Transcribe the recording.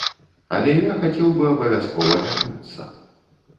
Але я хацеў бы абавязкова вярнуцца.